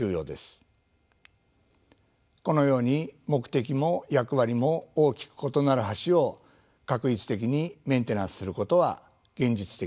このように目的も役割も大きく異なる橋を画一的にメンテナンスすることは現実的ではありません。